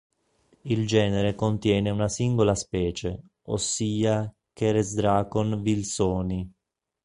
Il genere contiene una singola specie, ossia "Keresdrakon vilsoni".